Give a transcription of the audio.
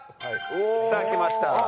さあきました。